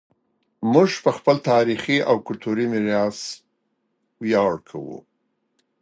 موږ په خپل تاریخي او کلتوري میراث ویاړ کوو.